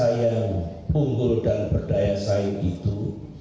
dan bangsa yang unggul dan berdaya saing itu